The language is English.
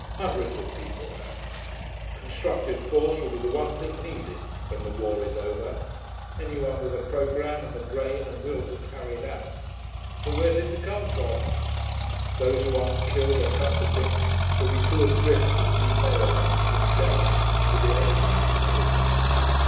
Hundreds of people have. Constructive force will be the one thing needed when the war is over; any one with a programme, and the brain and will to carry it out; but where's it to come from? Those who aren't killed or cut to bits will be too adrift and demoralised and dazed to do anything intelligent.